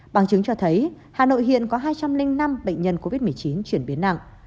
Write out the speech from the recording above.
bằng chứng cho thấy hà nội hiện có hai trăm linh năm bệnh nhân covid một mươi chín chuyển biến nặng